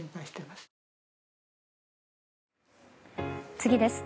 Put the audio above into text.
次です。